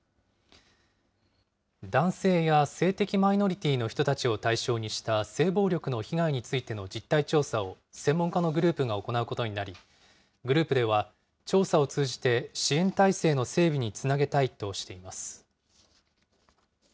男性や性的マイノリティの人たちを対象にした、性暴力の被害についての実態調査を専門家のグループが行うことになり、グループでは、調査を通じて支援体制の整備につなげたいとしています。